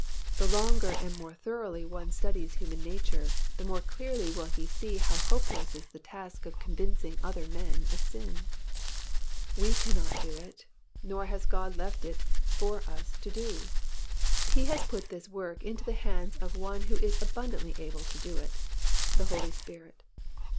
The longer and more thoroughly one studies human nature, the more clearly will he see how hopeless is the task of convincing other men of sin. We cannot do it, nor has God left it for us to do. He has put this work into the hands of One who is abundantly able to do it, the Holy Spirit.